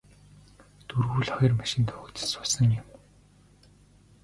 Дөрвүүл хоёр машинд хуваагдаж суусан юм.